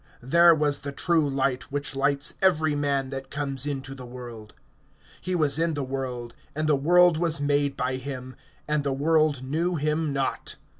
(9)There was the true light, which lights every man that comes into the world. (10)He was in the world, and the world was made by him, and the world knew him not.